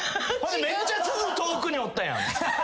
めっちゃすず遠くにおったやん。